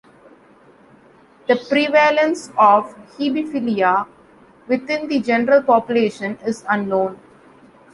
The prevalence of hebephilia within the general population is unknown.